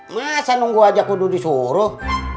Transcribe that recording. masa nunggu aja kudu disuruh